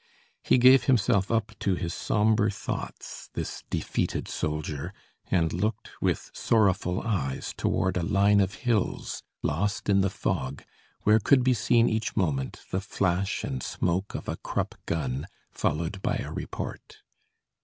He gave himself up to his sombre thoughts, this defeated soldier, and looked with sorrowful eyes toward a line of hills, lost in the fog, where could be seen each moment, the flash and smoke of a Krupp gun, followed by a report.